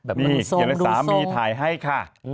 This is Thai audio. บีมีเป็นสามีทายให้ค่ะ